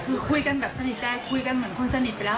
คือคุยกันแบบสนิทใจคุยกันเหมือนคนสนิทไปแล้ว